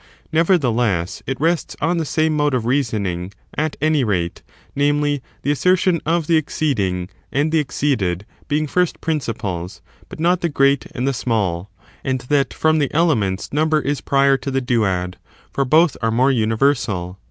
Never theless, it rests on the same mode of reasoning, at any rate — namely, the assertion of the exceeding and the exceeded being first principles, but not the great and the small, and that from the elements number is prior to the duad, for both are more universal.